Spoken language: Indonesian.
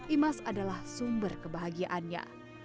imas adalah sumber kebahagiaannya